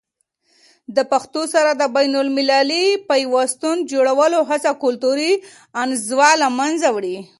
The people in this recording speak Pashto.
د پښتو سره د بینالمللي پیوستون جوړولو هڅه کلتوري انزوا له منځه وړي.